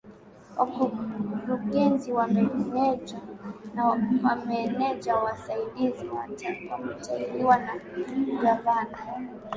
wakurugenzi mameneja na mameneja Wasaidizi wanateuliwa na gavana